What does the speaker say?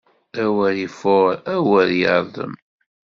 Awer ifuṛ, awer yeṛdem.